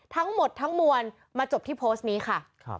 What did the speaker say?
ทั้งหมดทั้งมวลมาจบที่โพสต์นี้ค่ะ